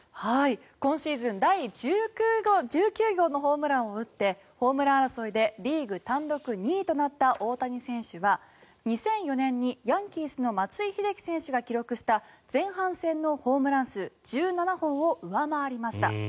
今シーズン第１９号のホームランを打ってホームラン争いでリーグ単独２位となった大谷選手は２００４年にヤンキースの松井秀喜選手が記録した前半戦のホームラン数１７本を上回りました。